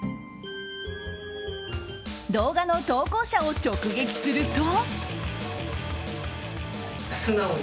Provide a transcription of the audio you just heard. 動画の投稿者を直撃すると。